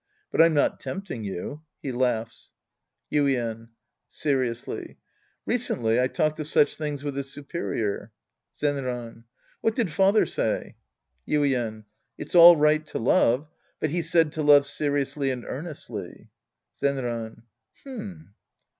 But I'm not tempting you. {He laughs.) Yuien {seriously). Recently I talked of such things with the superior. Zenran. What did father say ? Yuien. It's all right to love, but he said to love seriously and earnestly. Zenran. H'm.